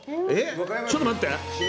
ちょっと待って。